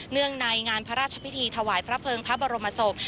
ในงานพระราชพิธีถวายพระเภิงพระบรมศพ